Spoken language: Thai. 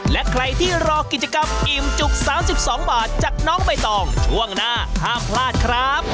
และใครที่รอกิจกรรมอิ่มจุก๓๒บาทจากน้องใบตองช่วงหน้าห้ามพลาดครับ